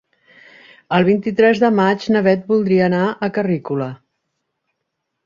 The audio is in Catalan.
El vint-i-tres de maig na Bet voldria anar a Carrícola.